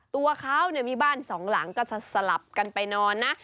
ตัวเขามีบ้านสองหลังก็จะสลับกันไปนอนนะ